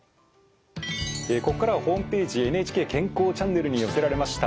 ここからはホームページ「ＮＨＫ健康チャンネル」に寄せられました